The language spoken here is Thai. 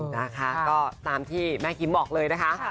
นะคะก็ตามที่แม่คิมบอกเลยนะคะ